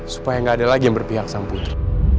supaya gak ada lagi yang berpihak sama putri